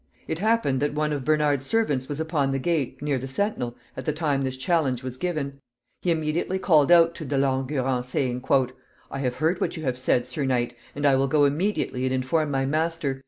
It happened that one of Bernard's servants was upon the gate, near the sentinel, at the time this challenge was given. He immediately called out to De Langurant, saying, "I have heard what you have said, Sir Knight, and I will go immediately and inform my master.